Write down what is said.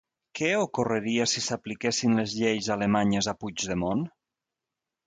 Què ocorreria si s'apliquessin les lleis alemanyes a Puigdemont?